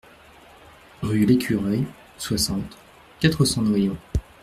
Rue l'Écureuil, soixante, quatre cents Noyon